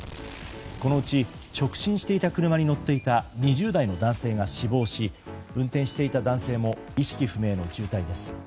このうち直進していた車に乗っていた２０代の男性が死亡し運転していた男性も意識不明の重体です。